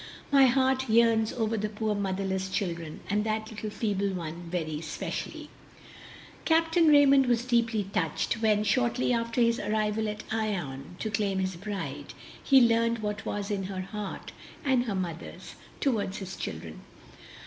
My heart yearns over the poor motherless children, and that little feeble one very especially." Capt. Raymond was deeply touched when, shortly after his arrival at Ion to claim his bride, he learned what was in her heart and her mother's toward his children.